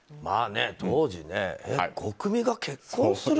当時、ゴクミが結婚する？